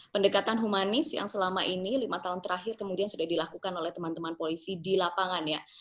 pendekatan humanis yang selama ini lima tahun terakhir kemudian sudah dilakukan oleh teman teman polisi di lapangan ya